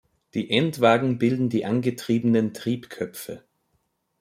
Die Endwagen bilden die angetriebenen Triebköpfe.